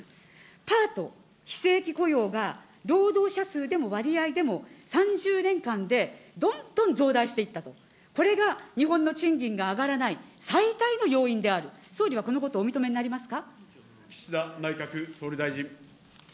パート・非正規雇用が、労働者数でも割合でも３０年間でどんどん増大していったと、これが日本の賃金が上がらない最大の要因である、総理はこのこと、岸田内閣総理大臣。